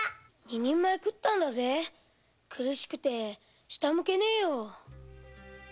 二人前食ったんだぜ苦しくて下向けねえよ。